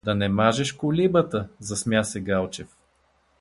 — Да не мажеш колибата? — засмя се Галчев.